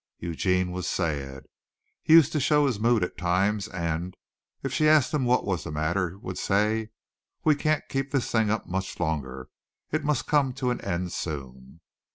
Eugene was sad. He used to show his mood at times and if she asked him what was the matter, would say: "We can't keep this thing up much longer. It must come to an end soon."